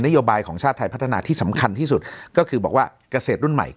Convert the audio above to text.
โยบายของชาติไทยพัฒนาที่สำคัญที่สุดก็คือบอกว่าเกษตรรุ่นใหม่